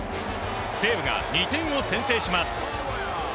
西武が２点を先制します。